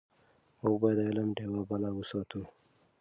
موږ باید د علم ډېوه بله وساتو.